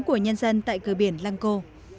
của nhân dân tại cơ biển lang co